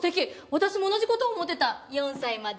私も同じこと思ってた４歳まで。